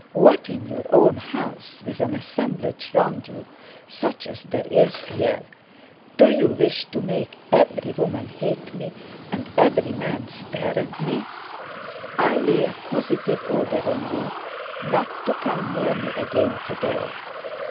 What, in your own house, with an assemblage round you such as there is here! Do you wish to make every woman hate me and every man stare at me? I lay a positive order on you not to come near me again to day.